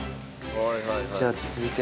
じゃあ続いて。